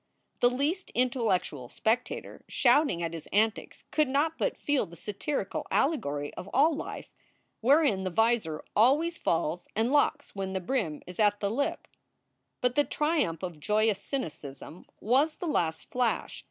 The least intellectual SOULS FOR SALE 319 spectator shouting at his antics could not but feel the satiri cal allegory of all life, wherein the visor always falls and locks when the brim is at the lip. But the triumph of joyous cynicism was the last flash.